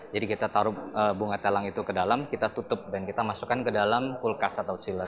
jadi kita taruh bunga telang itu ke dalam kita tutup dan kita masukkan ke dalam kulkas atau chiller